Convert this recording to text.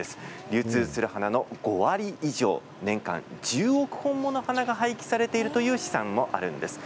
流通する花の５割以上年間１０億本もの花が廃棄されているという試算もあるんです。